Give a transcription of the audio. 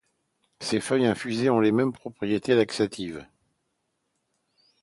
Ses feuilles infusées ont les mêmes propriétés laxatives.